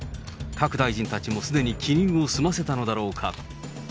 各大臣たちもすでに記入を済ませたのだろうか。